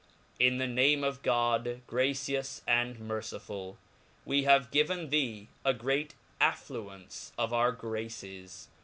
JN the name of God.gracious and mcrcifull. We have gi ivtn thee a great affluence of our graces.